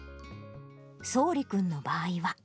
そうり君の場合は。